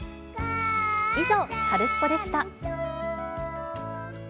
以上、カルスポっ！でした。